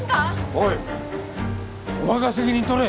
おいお前が責任取れ！